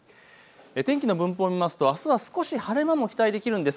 天気の分布を見ますとあすは少し晴れ間も期待できるんです。